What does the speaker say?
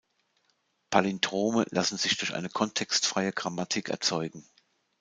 Palindrome lassen sich durch eine kontextfreie Grammatik erzeugen.